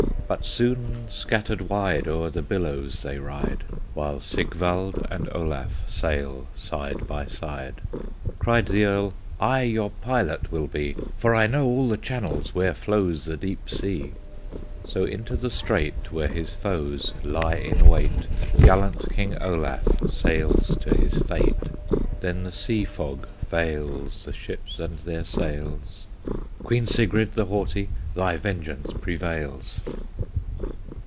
But soon scattered wide O'er the billows they ride, While Sigvald and Olaf Sail side by side. Cried the Earl: "Follow me! I your pilot will be, For I know all the channels Where flows the deep sea!" So into the strait Where his foes lie in wait, Gallant King Olaf Sails to his fate! Then the sea fog veils The ships and their sails; Queen Sigrid the Haughty, Thy vengeance prevails!